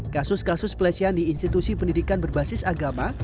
kasus kasus pelecehan di institusi pendidikan berbasis agama